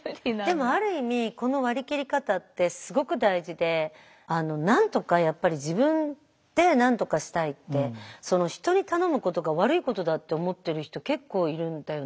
でもある意味この割り切り方ってすごく大事でなんとかやっぱり自分でなんとかしたいって人に頼むことが悪いことだって思ってる人結構いるんだよね。